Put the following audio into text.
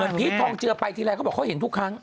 เหมือนพีชทองเจอไปทีแรกก็บอกเขาเห็นทุกครั้ง